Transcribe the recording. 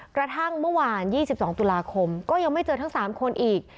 กระทั่งเมื่อวานยี่สิบสองตุลาคมก็ยังไม่เจอทั้งสามคนอีก